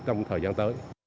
trong thời gian tới